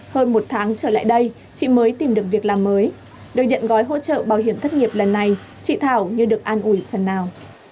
hơn một tháng trở lại đây chị mới tìm được việc làm mới được nhận gói hỗ trợ bảo hiểm thất nghiệp lần này chị thảo như được an ủi phần nào